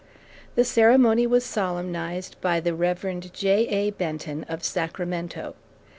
The ceremony was solemnized by the Rev. J.A. Benton, of Sacramento.